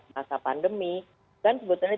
masa pandemi kan sebetulnya